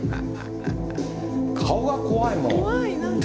顔が怖いもん。